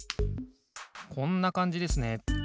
こんなかんじですね。